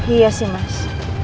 iya sih mas